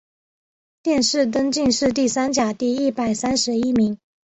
殿试登进士第三甲第一百三十一名。